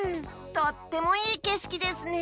とってもいいけしきですね！